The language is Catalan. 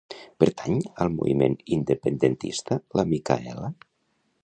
Pertany al moviment independentista la Micaela?